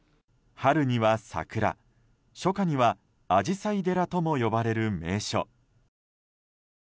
春には桜、初夏には紫陽花寺とも呼ばれる名所。